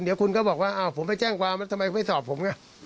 เดี๋ยวคุณก็บอกว่าอ้าวผมไปแจ้งความแล้วทำไมคุณไม่สอบผมไง